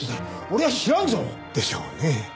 俺は知らんぞ！でしょうね。